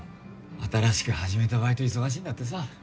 新しく始めたバイト忙しいんだってさ。